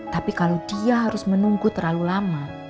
tapi kalau dia harus menunggu terlalu lama